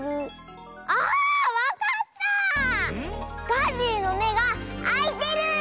ガジリのめがあいてる！